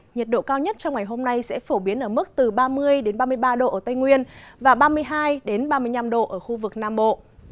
nhiệt độ cao nhất trong ngày hôm nay sẽ phổ biến ở mức từ ba mươi ba mươi ba độ ở tây nguyên và ba mươi hai ba mươi năm độ ở khu vực nam bộ